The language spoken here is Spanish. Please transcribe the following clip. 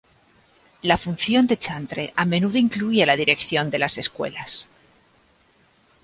La función de chantre a menudo incluía la dirección de las escuelas.